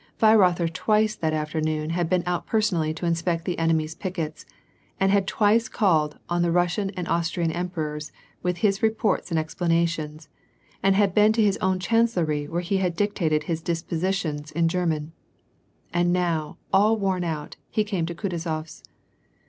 Weirother twice that afternoon had been out personally to inspect the enemy's pickets, and had twice called on the Rus sian and Austrian Emperors with his reports and explanations, and had been to his own chancelry where he had dictated his dispositions in Grerman. And now, all worn out, he came to Kutuzofs.